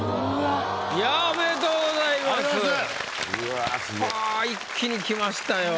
あ一気にきましたよ。